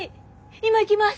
今行きます。